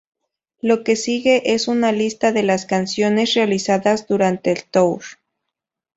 Lo que sigue es una lista de las canciones realizadas durante el tour.